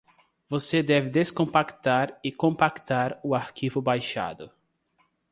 Você deve descompactar e compactar o arquivo baixado